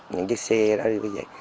những chiếc xe đó như vậy